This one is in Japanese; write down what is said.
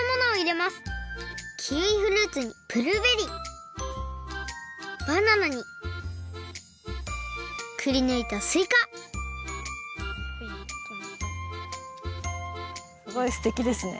キウイフルーツにブルーベリーバナナにくりぬいたすいかすごいすてきですね。